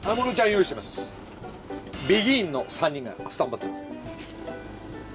ＢＥＧＩＮの３人がスタンバッてます。